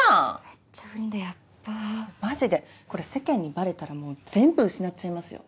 めっちゃ不倫だヤッバ。マジでこれ世間にバレたらもう全部失っちゃいますよ。